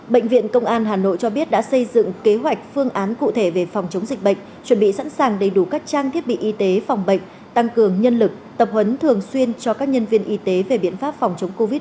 bệnh viện công an hà nội cho biết đã xây dựng kế hoạch phương án cụ thể về phòng chống dịch bệnh chuẩn bị sẵn sàng đầy đủ các trang thiết bị y tế phòng bệnh tăng cường nhân lực tập trung